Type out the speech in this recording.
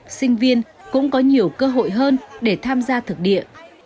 các giảng viên cũng có nhiều cơ hội hơn để tham gia thực địa